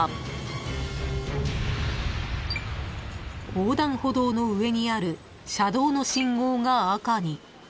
［横断歩道の上にある車道の信号が赤に］